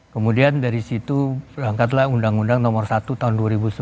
kemudian dari situ berangkatlah undang undang nomor satu tahun dua ribu sebelas